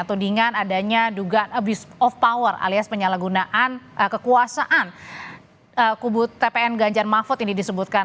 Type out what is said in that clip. tudingan adanya dugaan abuse of power alias penyalahgunaan kekuasaan kubu tpn ganjar mahfud ini disebutkan